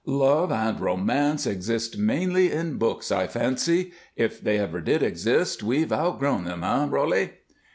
"Love and romance exist mainly in books, I fancy. If they ever did exist, we've outgrown them, eh, Roly?"